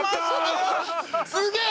すげえ！